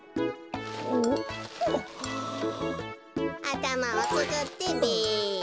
あたまをつくってべ。